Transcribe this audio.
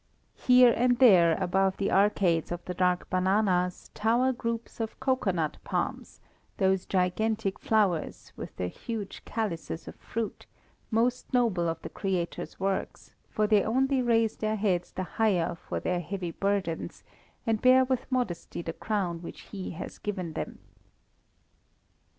Here and there above the arcades of the dark bananas, tower groups of cocoanut palms, those gigantic flowers, with their huge calices of fruit, most noble of the Creator's works, for they only raise their heads the higher for their heavy burdens, and bear with modesty the crown which He has given them.